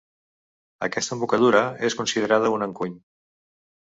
Aquesta embocadura és considerada un encuny.